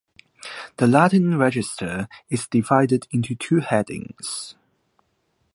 The Latin register is divided into two headings.